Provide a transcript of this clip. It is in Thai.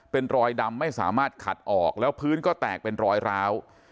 เป็นรอยดำไม่สามารถขัดออกแล้วพื้นก็แตกเป็นรอยร้าว